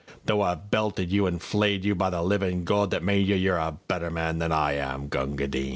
Tho' I've belted you an' flayed you, By the livin' Gawd that made you, You're a better man than I am, Gunga Din!